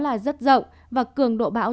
là rất rộng và cường độ bão